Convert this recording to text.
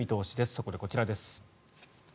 そこでこちらです。